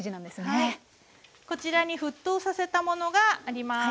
こちらに沸騰させたものがあります。